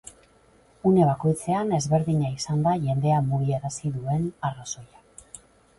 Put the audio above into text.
Une bakoitzean ezberdina izan da jendea mugiarazi duen arrazoia.